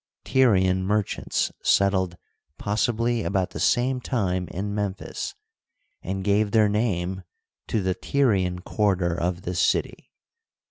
Tyr ian merchants settled possibly about the same time in Memphis, and gave their name to the Tyrian quarter of this city.